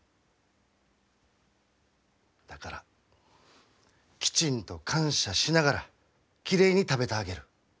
だからきちんと感謝しながらきれいに食べてあげる。